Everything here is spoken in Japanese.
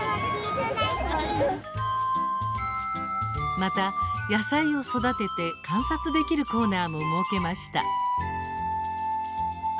また、野菜を育てて観察できるコーナーも設けました。